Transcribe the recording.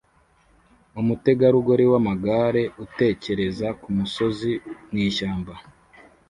umutegarugori wamagare utekereza kumusozi mwishyamba